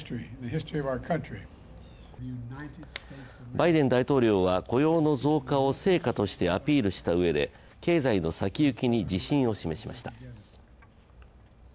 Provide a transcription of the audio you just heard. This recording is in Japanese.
バイデン大統領は雇用の増加を成果としてアピールしたうえで経済の先行きに自信を示しました。